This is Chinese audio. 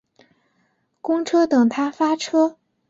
公车等他发车